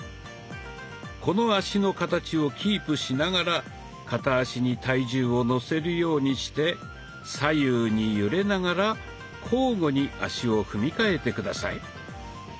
この足の形をキープしながら片足に体重をのせるようにして左右に揺れながら交互に足を踏みかえて下さい。